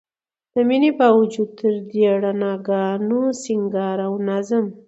د مينې باوجود تر دې رڼاګانو، سينګار او نظم